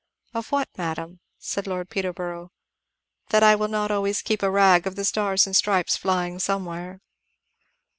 "Of what, madam?" said Lord Peterborough. "That I will not always keep a rag of the stars and stripes flying somewhere."